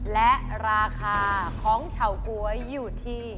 และราคาของเฉาก๊วยอยู่ที่